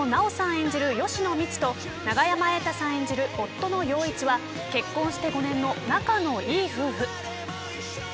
演じる吉野みちと永山瑛大さん演じる夫の陽一は結婚して５年の仲のいい夫婦。